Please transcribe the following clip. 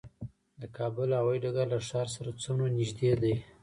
د کابل هوايي ډګر له ښار سره څومره نږدې دی؟